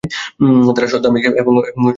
তারা সৎ, ধার্মিক এবং মহৎ ব্রাহ্মণ।